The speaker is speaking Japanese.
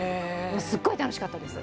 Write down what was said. もうすっごい楽しかったです。